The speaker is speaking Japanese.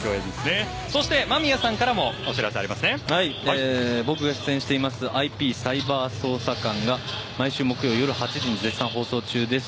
そして、間宮さんからも僕が出演する「ＩＰサイバー捜査官」が毎週木曜夜８時に絶賛放送中です。